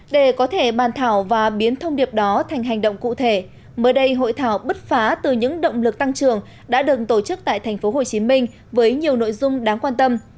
để có thể bàn thảo và biến thông điệp đó thành hành động cụ thể mới đây hội thảo bứt phá từ những động lực tăng trưởng đã được tổ chức tại tp hcm với nhiều nội dung đáng quan tâm